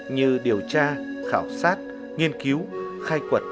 như điều tra khảo sát nghiên cứu khai quật